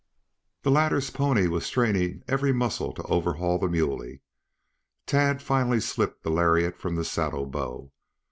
The latter's pony was straining every muscle to overhaul the muley. Tad finally slipped the lariat from the saddle bow.